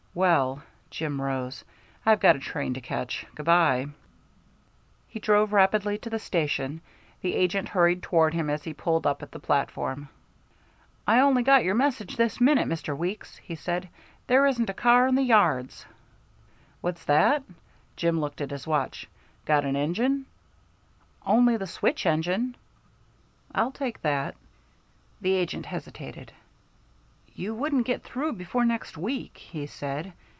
"Well," Jim rose, "I've got a train to catch. Good by." He drove rapidly to the station; the agent hurried toward him as he pulled up at the platform. "I only got your message this minute, Mr. Weeks," he said; "there isn't a car in the yards." "What's that?" Jim looked at his watch. "Got an engine?" "Only the switch engine." "I'll take that." The agent hesitated. "You wouldn't get through before next week," he said.